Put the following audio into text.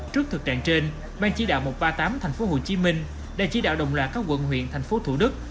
trước thực trạng trên ban chỉ đạo một trăm ba mươi tám tp hcm đã chỉ đạo đồng lạc các quận huyện tp thủ đức